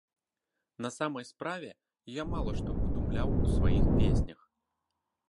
На самай справе, я мала што выдумляў ў сваіх песнях.